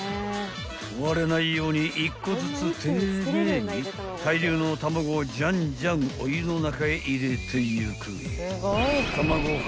［割れないように１個ずつ丁寧に大量の卵をじゃんじゃんお湯の中へ入れていく］